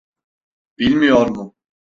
Bilmiyor mu?